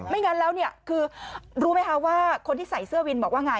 งั้นแล้วเนี่ยคือรู้ไหมคะว่าคนที่ใส่เสื้อวินบอกว่าไง